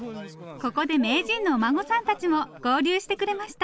ここで名人のお孫さんたちも合流してくれました。